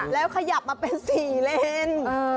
แล้วขยับมาเป็น๔เลน